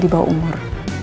di bawah umur